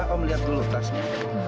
om lihat dulu tasnya